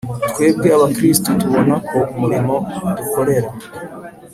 Twebwe Abakristo tubona ko umurimo dukorera